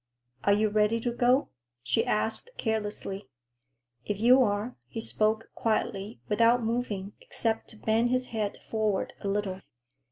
"Are you ready to go?" she asked carelessly. "If you are," he spoke quietly, without moving, except to bend his head forward a little.